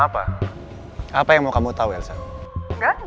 jend coffin yang ada di atas belakangnya pok rainan